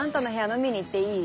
飲みに行っていい？